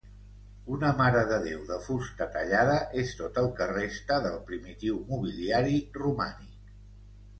Una marededéu de fusta tallada és tot el que resta del primitiu mobiliari romànic.